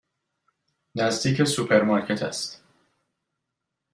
نزدیک سوپرمارکت است.